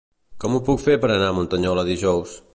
Com ho puc fer per anar a Muntanyola dijous?